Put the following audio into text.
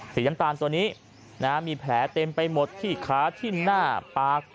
สีน้ำตาลตัวนี้มีแผลเต็มไปหมดที่ขาที่หน้าปาก